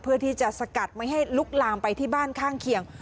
เพื่อที่จะสกัดไม่ให้ลุกลามไปที่บ้านข้างเคียง